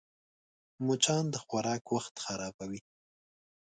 مچان د خوراک وخت خرابوي